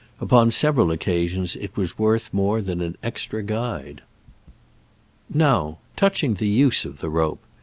Upon several occasions it was worth more than an extra guide. Now, touching the use of the rope.